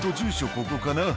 ここかな」